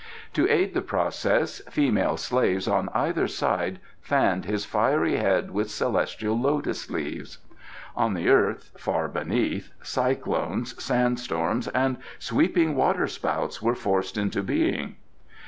To aid the process, female slaves on either side fanned his fiery head with celestial lotus leaves. On the earth, far beneath, cyclones, sand storms and sweeping water spouts were forced into being.